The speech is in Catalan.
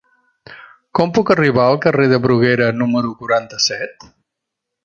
Com puc arribar al carrer de Bruguera número quaranta-set?